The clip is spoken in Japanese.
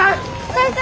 先生！